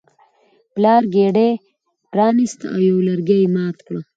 پلار ګېډۍ پرانیسته او یو یو لرګی یې مات کړ.